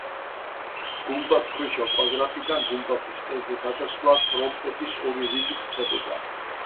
გუმბათქვეშა კვადრატიდან გუმბათის ყელზე გადასვლა ტრომპების ორი რიგით ხდება.